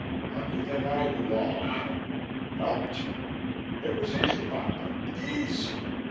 Lucky thing I knew all about him. Helped. It was easy, Ponto, easy.